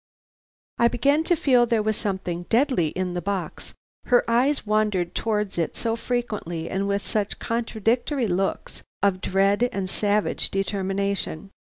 I began to feel there was something deadly in the box, her eyes wandered towards it so frequently and with such contradictory looks of dread and savage determination.